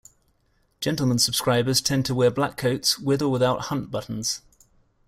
Gentleman subscribers tend to wear black coats, with or without hunt buttons.